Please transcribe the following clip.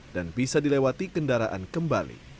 dan bisa dilewati kendaraan kembali